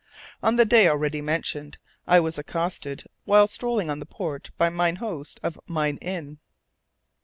On the day already mentioned, I was accosted while strolling on the port by mine host of mine inn.